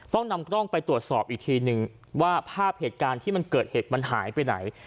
ต้องนำกล้องไปตรวจสอบอีกทีนึงว่าภาพเหตุการณ์ที่มันเกิดเหตุมันหายไปไหน